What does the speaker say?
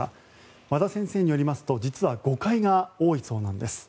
和田先生によりますと実は誤解が多いそうなんです。